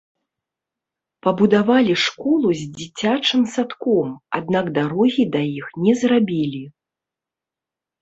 Пабудавалі школу з дзіцячым садком, аднак дарогі да іх не зрабілі.